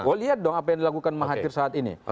oh lihat dong apa yang dilakukan mahathir saat ini